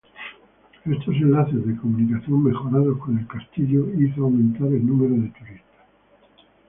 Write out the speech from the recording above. Estos enlaces de comunicación mejorados con el castillo hizo aumentar el número de turistas.